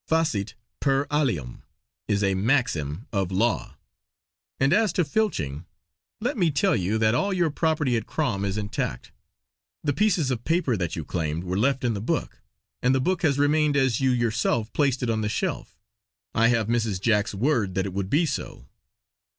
'Facit per alium' is a maxim of law. And as to filching, let me tell you that all your property at Crom is intact. The pieces of paper that you claimed were left in the book; and the book has remained as you yourself placed it on the shelf. I have Mrs. Jack's word that it would be so."